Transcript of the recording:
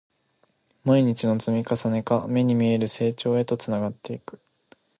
毎日の積み重ねが、目に見える成長へとつながっていく